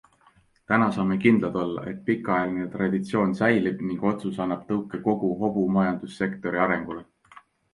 Täna saame kindlad olla, et pikaajaline traditsioon säilib ning otsus annab tõuke kogu hobumajandussektori arengule.